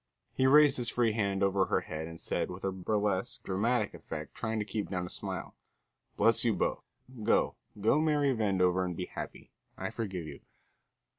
He raised his free hand over her head, and said, with burlesque, dramatic effect, trying to keep down a smile: "Bless you both; go, go marry Vandover and be happy; I forgive you."